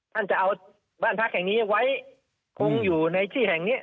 ท่านจะเอาบ้านพักแห่งนี้ไว้คงอยู่ในที่แห่งนี้